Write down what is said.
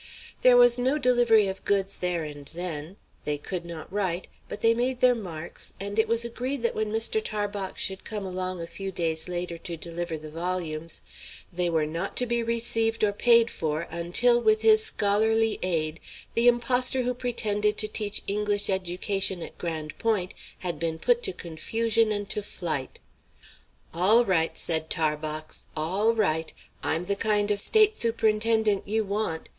There was no delivery of goods there and then; they could not write; but they made their marks, and it was agreed that when Mr. Tarbox should come along a few days later to deliver the volumes, they were not to be received or paid for until with his scholarly aid the impostor who pretended to teach English education at Grande Pointe had been put to confusion and to flight. "All right," said Tarbox; "all right. I'm the kind of State Superintendent you want.